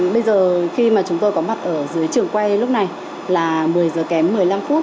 bây giờ khi mà chúng tôi có mặt ở dưới trường quay lúc này là một mươi giờ kém một mươi năm phút